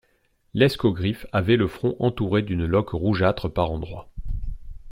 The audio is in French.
L'escogriffe avait le front entouré d'une loque rougeâtre par endroits.